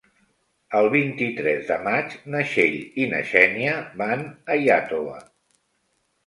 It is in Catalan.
El vint-i-tres de maig na Txell i na Xènia van a Iàtova.